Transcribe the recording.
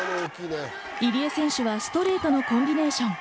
入江選手はストレートのコンビネーション。